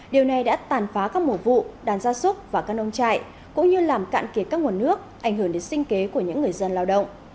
điều này đã tàn phá các mổ vụ đàn gia súc và căn ông chạy cũng như làm cạn kiệt các nguồn nước ảnh hưởng đến sinh kế của những người dân lao động